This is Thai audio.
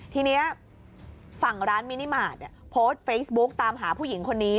ทีนี้ฝั่งร้านมินิมาตรโพสต์เฟซบุ๊กตามหาผู้หญิงคนนี้